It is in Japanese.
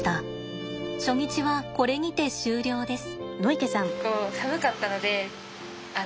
初日はこれにて終了です。